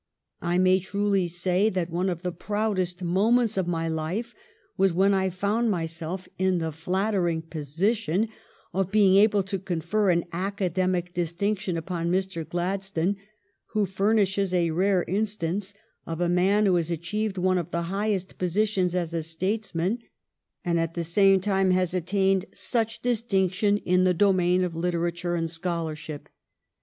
I may truly say that one of the proudest moments of my life was when I found myself in the flattering position of being able to confer an academic distinction upon Mr. Gladstone, who furnishes a rare instance of a man who has achieved one of the highest positions as a statesman and at the same time has attained such distinction in the domain of literature and scholarship.